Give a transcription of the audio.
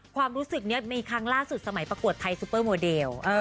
ความรู้สึกนี้มีครั้งล่าสุดสมัยประกวดไทยซุปเปอร์โมเดล